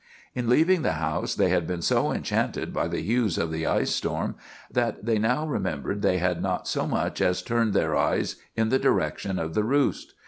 In leaving the house they had been so enchanted by the hues of the ice storm that they now remembered they had not so much as turned their eyes in the direction of the roost.